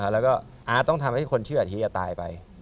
แล้วก็อาร์ตต้องทำให้คนชื่ออาทิตตายไป